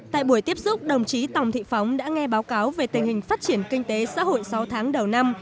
tại buổi tiếp xúc đồng chí tòng thị phóng đã nghe báo cáo về tình hình phát triển kinh tế xã hội sáu tháng đầu năm